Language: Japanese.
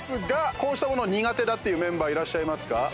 こうしたものは苦手だっていうメンバーはいらっしゃいますか？